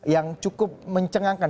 yang cukup mencengangkan